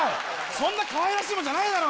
そんなかわいらしいもんじゃないだろ。